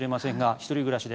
１人暮らしで。